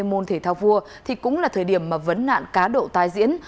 môn thể thao vua thì cũng là thời điểm mà vấn nạn cá độ tai diễn